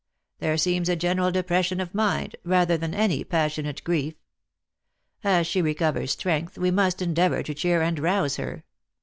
There seems a general depression of mind, rather than any passionate grief. As she recovers strength we must endeavour to cheer and rouse her.